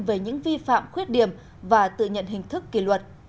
về những vi phạm khuyết điểm và tự nhận hình thức kỷ luật